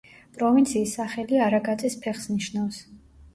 პროვინციის სახელი „არაგაწის ფეხს“ ნიშნავს.